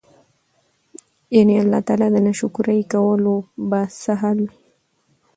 يعني الله تعالی د ناشکري کولو به څه حال وي؟!!.